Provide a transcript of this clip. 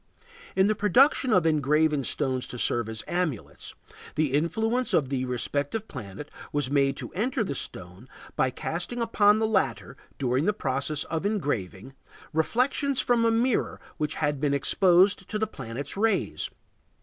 In the production of engraved stones to serve as amulets, the influence of the respective planet was made to enter the stone by casting upon the latter, during the process of engraving, reflections from a mirror which had been exposed to the planet's rays.